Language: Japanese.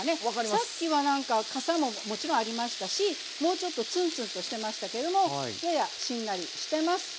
さっきはなんかかさももちろんありましたしもうちょっとツンツンとしてましたけどもややしんなりしてます。